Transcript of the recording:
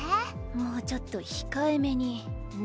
もうちょっと控えめにね？